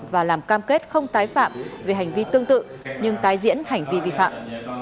và làm cam kết không tái phạm về hành vi tương tự nhưng tái diễn hành vi vi phạm